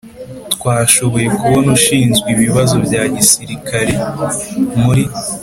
twashoboye kubona ushinze ibibazo bya gisirikari muri